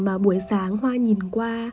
mà buổi sáng hoa nhìn qua